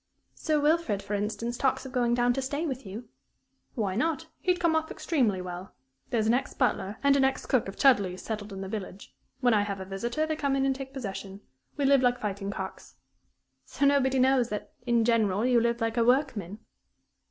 Sir Wilfrid, for instance, talks of going down to stay with you?" "Why not? He'd come off extremely well. There's an ex butler, and an ex cook of Chudleigh's settled in the village. When I have a visitor, they come in and take possession. We live like fighting cocks." "So nobody knows that, in general, you live like a workman?"